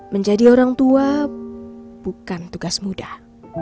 menjadi orang tua bukan tugas mudah